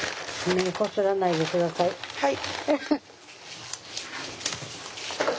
はい。